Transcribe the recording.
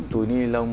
túi ni lông